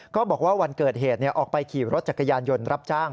บอกว่าวันเกิดเหตุออกไปขี่รถจักรยานยนต์รับจ้าง